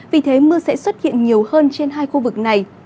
vì thế mưa sẽ xuất hiện nhiều hơn trên hai khu vực này